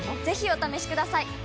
ぜひお試しください！